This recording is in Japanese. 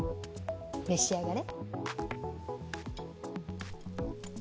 召し上がれ。